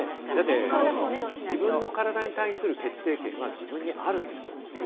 自分の体に対する決定権は自分にあるんですよ。